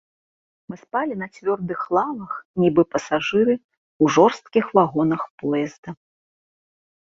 Мы спалі на цвёрдых лавах, нібы пасажыры ў жорсткіх вагонах поезда.